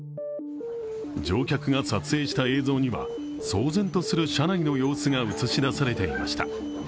乗客が撮影した映像には騒然とする車内の様子が映し出されていました。